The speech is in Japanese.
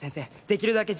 できるだけ